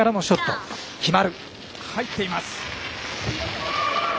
入っています。